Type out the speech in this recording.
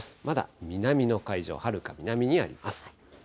まだ南の海上、はるか南にあります。